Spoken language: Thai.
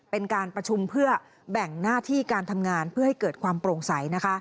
เป็นการประชุมเพื่อแบ่งหน้าที่การทำงานเพื่อให้เกิดความโปร่งใสนะคะ